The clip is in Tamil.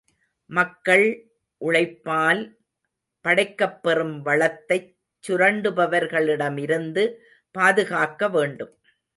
மக்கள் உழைப்பால் படைக்கப்பெறும் வளத்தைச் சுரண்டுபவர்களிடமிருந்து பாதுகாக்க வேண்டும்.